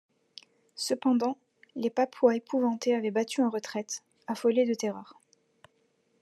Cependant, les Papouas épouvantés avaient battu en retraite, affolés de terreur.